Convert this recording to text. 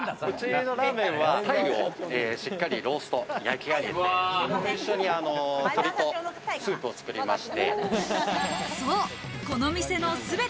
うちのラーメンは鯛をしっかりロースト、焼き上げて一緒に鶏とスープを作りまして。